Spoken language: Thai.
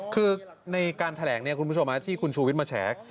คือในการแถลงคุณผู้ชมที่คุณชูวิทย์มาแฉ